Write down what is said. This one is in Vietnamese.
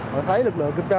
họ thấy lực lượng kiểm tra